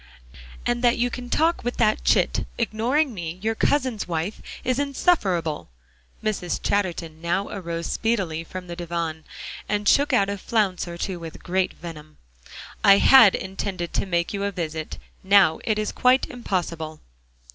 "And that you can talk with that chit, ignoring me, your cousin's wife, is insufferable." Mrs. Chatterton now arose speedily from the divan, and shook out a flounce or two with great venom. "I had intended to make you a visit. Now it is quite impossible."